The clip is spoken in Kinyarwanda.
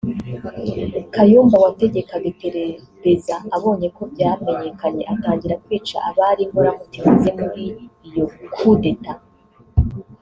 Kayumba wategekaga iperereza abonye ko byamenyekanye atangira kwica abari inkoramutima ze muri iyo Coup d’Etat